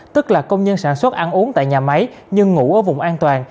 tức là công nhân sản xuất ăn uống tại nhà máy nhưng ngủ ở vùng an toàn